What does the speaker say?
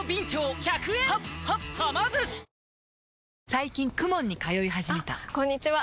最近 ＫＵＭＯＮ に通い始めたあこんにちは！